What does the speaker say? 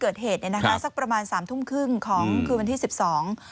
เกิดเหตุเนี้ยนะคะสักประมาณสามทุ่มครึ่งของคืนวันที่สิบสอง